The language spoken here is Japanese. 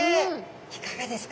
いかがですか？